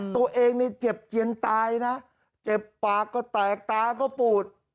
ตัวเองนี่เจ็บเจียนตายนะเจ็บปากก็แตกตาก็ปูด